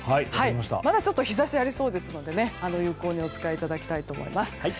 まだ日差しはありそうですので有効にお使いいただきたいと思います。